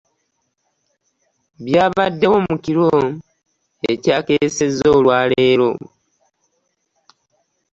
Byabaddewo mu kiro ekyakeesezza olwa leero